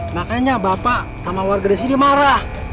makanya bapak sama warga disini marah